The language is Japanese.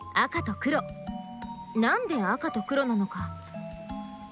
何で赤と黒なのか。